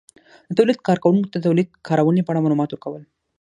-د تولید کارونکو ته د تولید کارونې په اړه مالومات ورکول